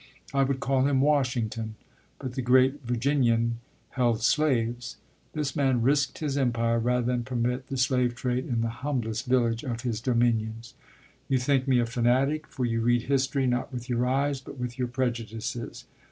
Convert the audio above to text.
I would call him Washington, but the great Virginian held slaves. This man risked his empire rather than permit the slave trade in the humblest village of his dominions. You think me a fanatic, for you read history, not with your eyes, but with your prejudices.